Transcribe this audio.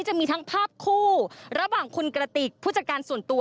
จะมีทั้งภาพคู่ระหว่างคุณกระติกผู้จัดการส่วนตัว